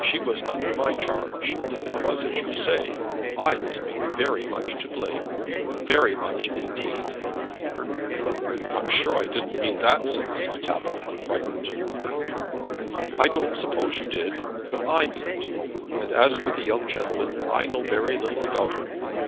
She was under my charge, and if it was as you say I must be very much to blame, very much indeed." "I'm sure I didn't mean that," said Mrs. Tappitt, frightened. "I don't suppose you did, but I mean it. As for the young gentleman, I know very little about him.